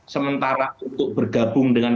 sementara untuk bergabung dengan